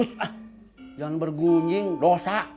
jangan bergunying dosa